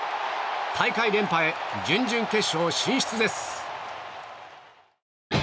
大会連覇へ準々決勝進出です。